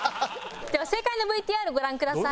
では正解のＶＴＲご覧ください。